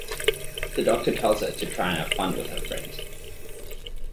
The doctor tells her to try to have fun with her friends.